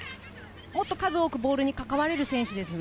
もっと数多くボールに関われる選手です。